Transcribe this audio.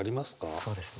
そうですね。